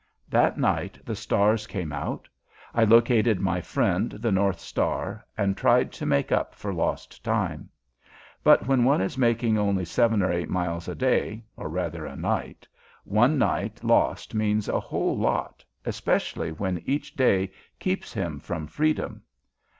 That night the stars came out; I located my friend, the North Star, and tried to make up for lost time. But when one is making only seven or eight miles a day, or rather a night, one night lost means a whole lot, especially when each day keeps him from freedom.